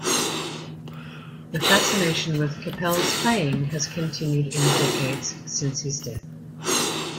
The fascination with Kapell's playing has continued in the decades since his death.